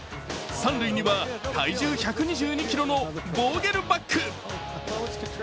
三塁には体重１２２ｋｇのボーゲルバッグ。